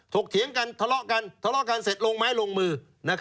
ถกเถียงกันทะเลาะกันเสร็จลงไม้ลงมือ